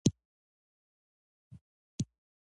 دا د ټولنیز نظم بنسټ جوړوي.